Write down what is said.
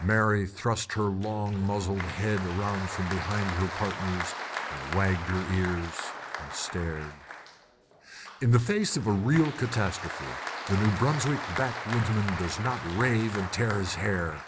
Mary thrust her long muzzled head around from behind her partners, and wagged her ears, and stared. In the face of real catastrophe the New Brunswick backwoodsman does not rave and tear his hair.